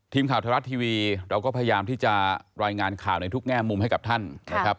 ทีมข่าวไทยรัฐทีวีเราก็พยายามที่จะรายงานข่าวในทุกแง่มุมให้กับท่านนะครับ